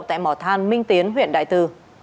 tại mỏ than minh tiến huyện đại từ